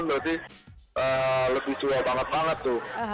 berarti lebih tua banget banget tuh